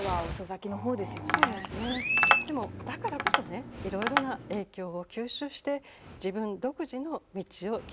でもだからこそねいろいろな影響を吸収して自分独自の道を切り開いていったんだと思います。